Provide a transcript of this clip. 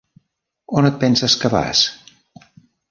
On et penses que vas?